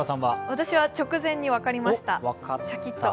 私は直前に分かりました、シャキッと。